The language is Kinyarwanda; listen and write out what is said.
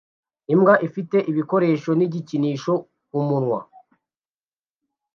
Imbwa ifite ibikoresho nigikinisho umunwa